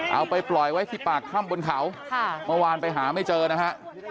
เอาไปปล่อยไว้ที่ปากถ้ำบนเขาเมื่อวานไปหาไม่เจอนะฮะ